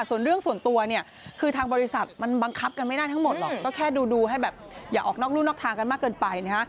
ส่วนเรื่องส่วนตัวเนี่ยคือทางบริษัทมันบังคับกันไม่ได้ทั้งหมดหรอกก็แค่ดูให้แบบอย่าออกนอกรูนอกทางกันมากเกินไปนะฮะ